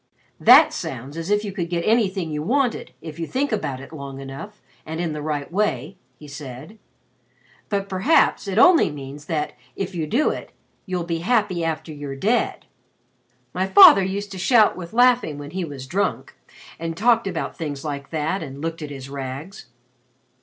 "That sounds as if you could get anything you wanted, if you think about it long enough and in the right way," he said. "But perhaps it only means that, if you do it, you'll be happy after you're dead. My father used to shout with laughing when he was drunk and talked about things like that and looked at his rags."